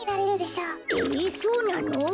えそうなの？